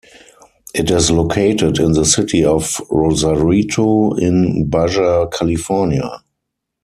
It is located in the city of Rosarito in Baja California.